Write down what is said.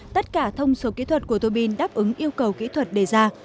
tất cả thông số kỹ thuật của tòa pin đáp ứng yêu cầu kỹ thuật đề ra